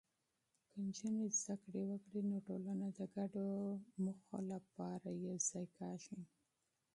که نجونې زده کړه وکړي، نو ټولنه د ګډو اهدافو لپاره متحدېږي.